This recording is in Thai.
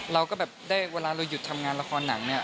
เราก็แบบได้เวลาเราหยุดทำงานละครหนังเนี่ย